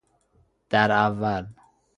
در اول